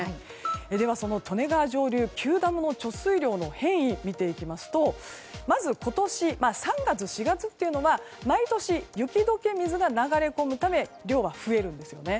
では、その利根川上流９ダムの貯水量の変異を見ていきますと、まず今年３月、４月というのは毎年、雪解け水が流れ込むため量が増えるんですよね。